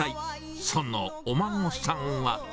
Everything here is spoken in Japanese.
そのお孫さんは。